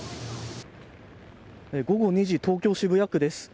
午後２時、東京・渋谷区です。